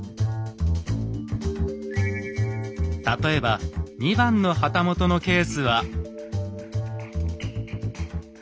例えば２番の旗本のケースは。